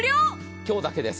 今日だけです。